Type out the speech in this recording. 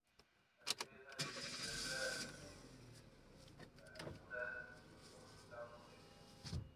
Asimismo, existen diversas nomenclaturas según su campo de acción.